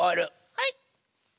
はい！